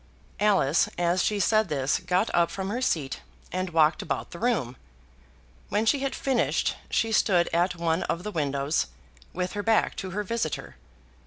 Alice, as she said this, got up from her seat and walked about the room. When she had finished she stood at one of the windows with her back to her visitor.